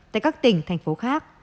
tại các tỉnh thành phố khác